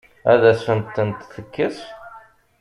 Ad asent-ten-tekkes?